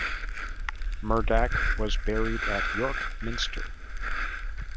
Murdac was buried at York Minster.